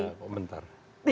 saya tidak ada komentar